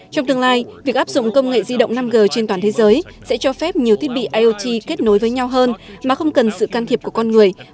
trong tương lai việc áp dụng công nghệ di động năm g trên toàn thế giới sẽ cho phép nhiều thiết bị iot kết nối với nhau hơn mà không cần sự can thiệp của con người